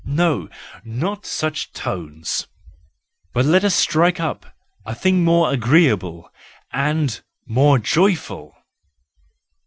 No! Not such tones! But let us strike up some¬ thing more agreeable and more joyful!"